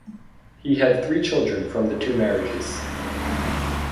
He had three children from the two marriages.